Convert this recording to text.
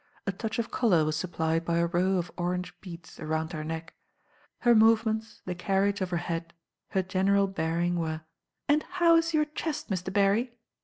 A touch of colour was supplied by a row of orange bea^s round her neck. Her movements. tl« ^age of her head, her general bearing "And how is your chest, Mr. Berry?"